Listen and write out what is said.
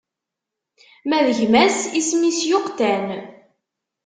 Ma d gma-s isem-is Yuqtan.